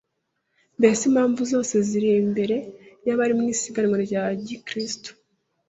Mbese impamvu zose ziri imbere y’abari mu isiganwa rya Gikristo